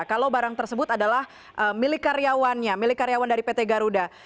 kalau barang tersebut adalah milik karyawannya milik karyawan dari pt garuda